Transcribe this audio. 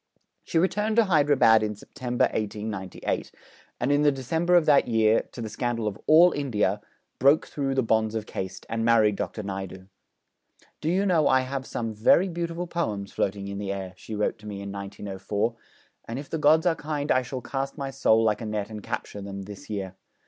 She returned to Hyderabad in September 1898, and in the December of that year, to the scandal of all India, broke through the bonds of caste, and married Dr. Naidu. 'Do you know I have some very beautiful poems floating in the air,' she wrote to me in 1904; 'and if the gods are kind I shall cast my soul like a net and capture them, this year.